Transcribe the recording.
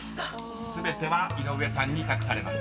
［全ては井上さんに託されます］